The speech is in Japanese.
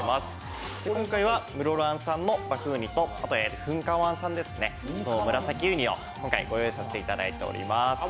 今回は室蘭産のバフンウニと噴火湾産のムラサキうにをご用意させていただいております。